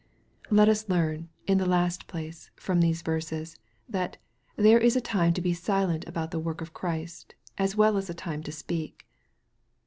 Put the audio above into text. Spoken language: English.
Let us learn, in the last place, from these verses, that there is a time to be silent about the work of Christ, as well as a time to speak.